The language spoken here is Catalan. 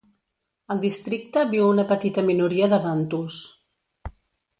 Al districte viu una petita minoria de bantus.